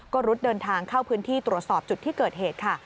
ก็รุดเดินทางเข้าพื้นที่ตรวจสอบจุดที่เกิดเหตุค่ะ